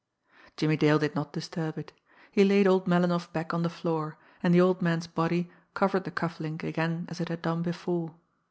Jimmie Dale did not disturb it. He laid old Melinoff back on the floor, and the old man's body covered the cuff link again as it had done before.